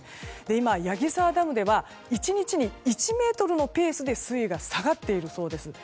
今、矢木沢ダムでは１日に１ｍのペースで水位が下がっているそうです。